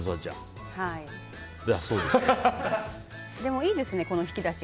でもいいですね、この引き出し。